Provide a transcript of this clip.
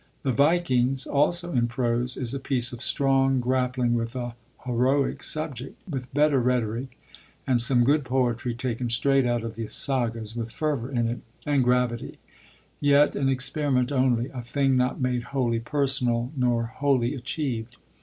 The Vikings, also in prose, is a piece of strong grappling with a heroic subject, with better rhetoric, and some good poetry taken straight out of the sagas, with fervour in it, and gravity; yet an experiment only, a thing not made wholly personal, nor wholly achieved.